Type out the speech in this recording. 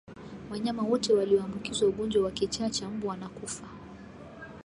Wanyama wote walioambukizwa ugonjwa wa kichaa cha mbwa wanakufa